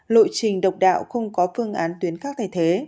lộ trình độc đạo không có phương án tuyến khác thay thế